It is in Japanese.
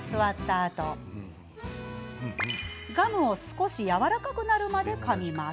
あとガムを少しやわらかくなるまでかみます。